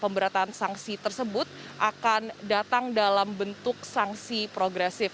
pemberatan sanksi tersebut akan datang dalam bentuk sanksi progresif